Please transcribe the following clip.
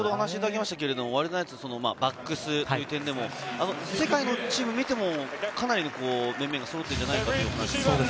ワイルドナイツ、バックスという点でも世界のチームを見ても、かなり面々がそろってるんじゃないかという感じがします。